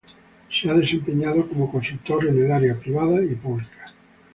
Se ha desempeñado como consultor en el área privada y pública.